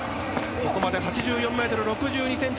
ここまで８４ｍ６２ｃｍ。